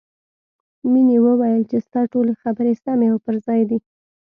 مینې وویل چې ستا ټولې خبرې سمې او پر ځای دي